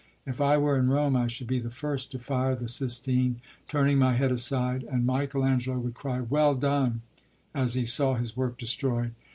If I were in Rome, I should be the first to fire the Sistine, turning my head aside, and Michael Angelo would cry, 'Well done,' as he saw his work destroyed."